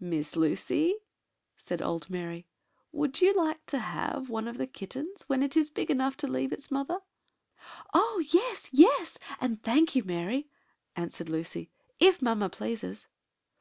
"Miss Lucy," said old Mary, "would you like to have one of the kittens when it is big enough to leave its mother?" "Oh, yes, yes! and thank you, Mary," answered Lucy, "if mamma pleases."